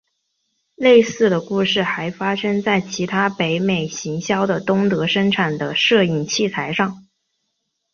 类似的故事还发生在其他北美行销的东德生产的摄影器材上。